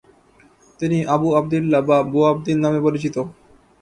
তিনি Abu Abdillah বা Boabdil নামে পরিচিত।